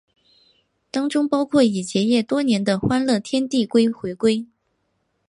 当中包括已结业多年的欢乐天地回归。